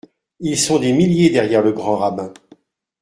Ils sont des milliers derrière le grand rabbin…